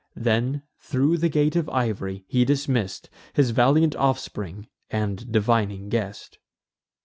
Then, thro' the gate of iv'ry, he dismiss'd His valiant offspring and divining guest.